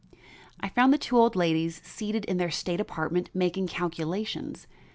I found the two old ladies seated in their state apartment making calculations.